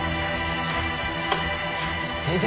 先生！